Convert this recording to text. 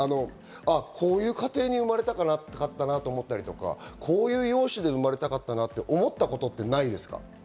こういう家庭に生まれたかったなとか、こういう容姿で生まれたかったなって思ったことってないですか？